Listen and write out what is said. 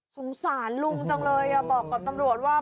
สงสารลุงจังเลยบอกกับตำรวจว่า